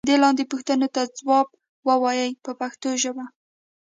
دې لاندې پوښتنو ته ځواب و وایئ په پښتو ژبه.